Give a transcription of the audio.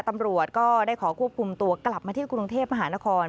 ตำรวจก็ได้ขอควบคุมตัวกลับมาที่กรุงเทพมหานคร